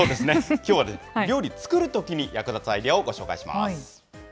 きょうは、料理作るときに役立つアイデアをご紹介します。